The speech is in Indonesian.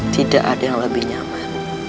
tidak ada yang lebih nyaman